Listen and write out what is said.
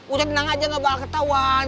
udah tenang aja gak bakal ketahuan